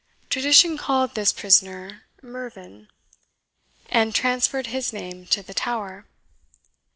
Tradition called this prisoner Mervyn, and transferred his name to the tower.